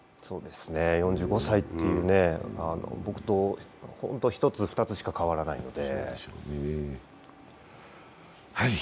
４５歳っていうね、僕と１つ２つしか変わらないんで。